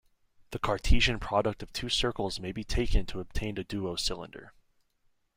The Cartesian product of two circles may be taken to obtain a duocylinder.